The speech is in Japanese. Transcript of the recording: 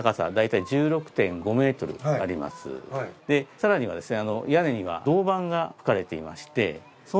さらにはですね。